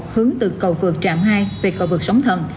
hướng từ cầu vượt trạm hai về cầu vượt sóng thần